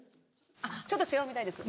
ちょっと違うみたいです。